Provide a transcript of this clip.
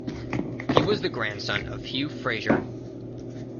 He was the grandson of Hugh Fraser.